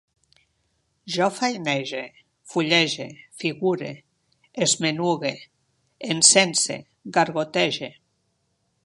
Jo feinege, fullege, figure, esmenugue, encense, gargotege